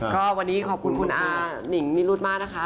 ก็วันนี้ขอบคุณคุณอานิงนิรุธมากนะคะ